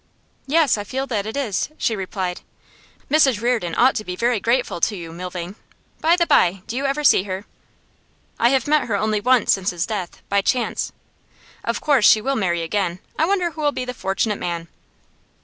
'Yes, I feel that it is,' she replied. 'Mrs Reardon ought to be very grateful to you, Milvain. By the by, do you ever see her?' 'I have met her only once since his death by chance.' 'Of course she will marry again. I wonder who'll be the fortunate man?